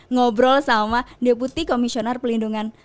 ngobrol sama deputi komisioner pelindungan